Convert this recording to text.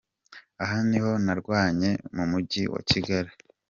Aho niho narwanye mu mujyi wa Kigali.